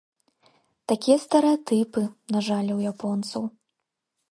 Такія стэрэатыпы, на жаль, у японцаў.